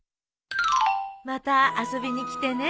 また遊びに来てね。